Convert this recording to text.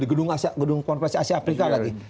di gedung konversi asia afrika lagi